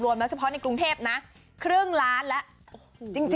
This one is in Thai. แม้เฉพาะในกรุงเทพนะครึ่งล้านแล้ว